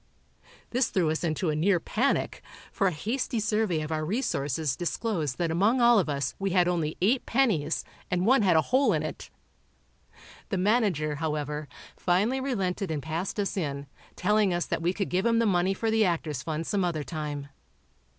This threw us into a near panic, for a hasty survey of our resources disclosed that among all of us we had only eight pennies and one had a hole in it. The manager, however, finally relented and passed us in, telling us that we could give him the money for the Actors' Fund some other time.